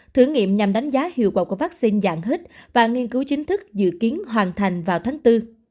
thử nghiệm nhằm đánh giá hiệu quả của vaccine dạng hít và nghiên cứu chính thức dự kiến hoàn thành vào tháng bốn